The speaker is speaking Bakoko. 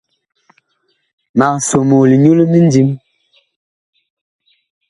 Mag somoo linyu limindim.